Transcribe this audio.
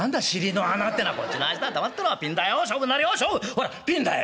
ほらピンだ」。